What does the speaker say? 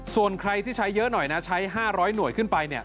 ส่วนใครที่ใช้เยอะหน่อยนะใช้๕๐๐หน่วยขึ้นไป